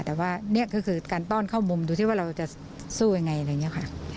แต่ว่านี่ก็คือการต้อนเข้ามุมดูที่ว่าเราจะสู้อย่างไร